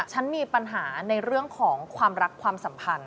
ฉันมีปัญหาในเรื่องของความรักความสัมพันธ